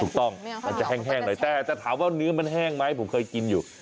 มันจะแห้งหน่อยแต่จะถามว่าเนื้อมันแห้งไหมผมเคยกินอยู่